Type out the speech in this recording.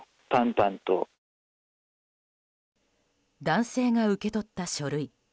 男性が受け取った書類。